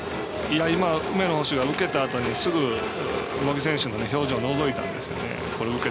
梅野捕手が受けたあとにすぐ茂木選手の表情をのぞいたんですよね。